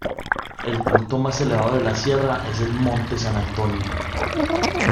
El punto más elevado de la sierra es el monte San Antonio.